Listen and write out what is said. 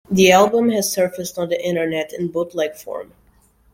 The album has surfaced on the Internet in bootleg form.